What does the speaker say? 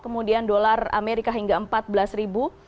kemudian dolar amerika hingga empat belas ribu